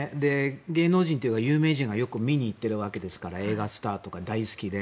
芸能人というか有名人がよく見に行っているわけですから映画スターとか大好きで。